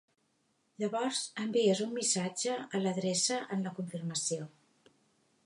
Llavors envies un missatge a l'adreça en la confirmació.